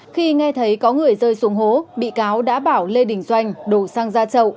khi nghe thấy có người rơi xuống hố bị cáo đã bảo lê đình doanh đổ xăng ra chậu